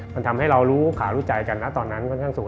มันทำให้เรารู้ข่าวรู้ใจกันนะตอนนั้นค่อนข้างสูง